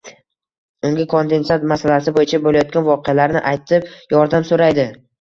unga kondensat masalasi bo‘yicha bo‘layotgan voqealarni aytib yordam so‘raydi.